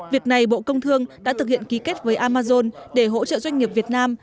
việc này bộ công thương đã thực hiện ký kết với amazon để hỗ trợ doanh nghiệp việt nam